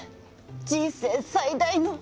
人生最大の。